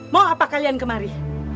mau apa kalian kemari